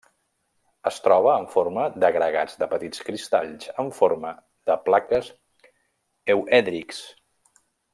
Es troba en forma d'agregats de petits cristalls en forma de plaques euèdrics.